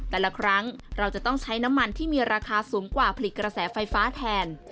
แต่ละครั้งเราจะต้องใช้น้ำมันที่มีราคาสูงกว่าผลิตกระแสไฟฟ้าแทน